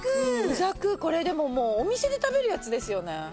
鰻ざくこれでももうお店で食べるやつですよね。